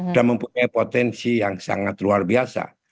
dan mempunyai potensi yang sangat luar biasa